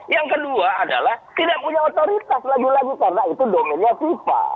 yang kedua adalah tidak punya otoritas lagi lagi karena itu domennya fifa